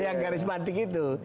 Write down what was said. ya karismatik gitu